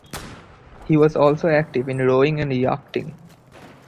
He was also active in rowing and yachting.